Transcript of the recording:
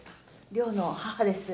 陵の母です。